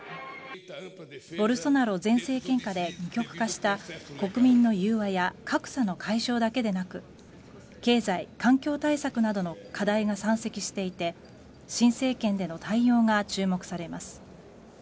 ボルソナロ前政権下で二極化した国民の融和や格差の解消だけでなく経済、観光対策などの課題が山積していて新政権での対応が注目されます。